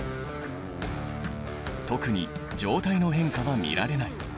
特に状態の変化は見られない。